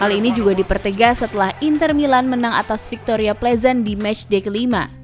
hal ini juga dipertegas setelah inter milan menang atas victoria plezen di matchday kelima